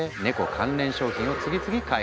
関連商品を次々開発。